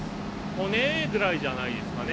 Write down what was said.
骨ぐらいじゃないですかね